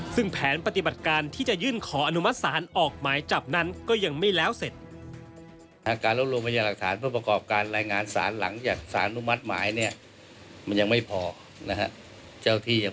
ซึ่งแผนปฏิบัติการที่จะยื่นขออนุมัติศาลออกหมายจับนั้นก็ยังไม่แล้วเสร็จ